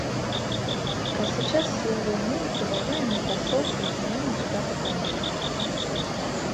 А сейчас слово имеет уважаемый посол Соединенных Штатов Америки.